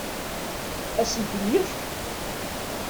Ad asen-ten-yefk?